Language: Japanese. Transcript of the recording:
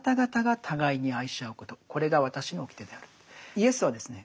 イエスはですね